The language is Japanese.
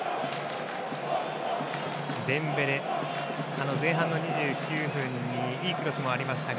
デンベレは前半２９分にいいクロスもありましたが。